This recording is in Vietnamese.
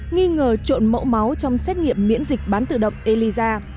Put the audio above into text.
nghi ngờ trộn mẫu máu trong xét nghiệm miễn dịch bán tự động elisa